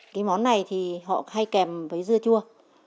cái món này thì họ hay kèm với dưa chua